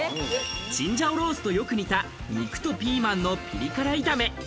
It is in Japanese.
チンジャオロースとよく似た肉とピーマンのピリ辛炒め。